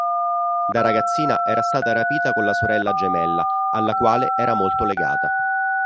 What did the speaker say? Da ragazzina era stata rapita con la sorella gemella alla quale era molto legata.